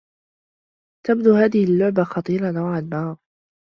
تبدو هذه اللّعبة خطيرة نوعا ما.